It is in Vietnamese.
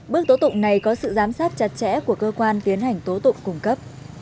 bước tố tụng này có sự giám sát chặt chẽ của cơ quan tiến hành tố tụng cung cấp